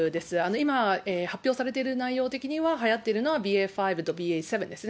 今、発表されている内容的には、はやっているのはＢＡ．５とＢＡ．７ですね。